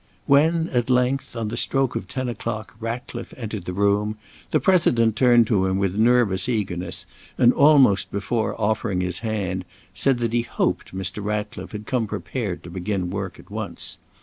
When at length, on the stroke of ten o'clock, Ratcliffe entered the room, the President turned to him with nervous eagerness, and almost before offering his hand, said that he hoped Mr. Ratcliffe had come prepared to begin work at once.